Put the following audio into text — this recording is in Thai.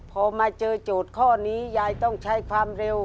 พอมาเจอโจทย์ข้อนี้ยายต้องใช้ความเร็ว